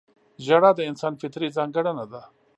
• ژړا د انسان فطري ځانګړنه ده.